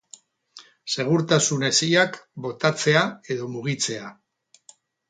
Segurtasun hesiak botatzea edo mugitzea.